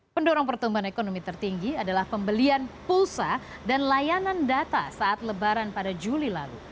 pendorong pertumbuhan ekonomi tertinggi adalah pembelian pulsa dan layanan data saat lebaran pada juli lalu